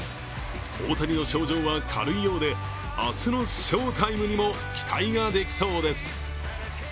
大谷の症状は軽いようで明日の翔タイムにも期待ができそうです。